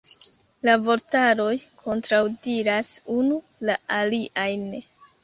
La vortaroj kontraŭdiras unu la aliajn.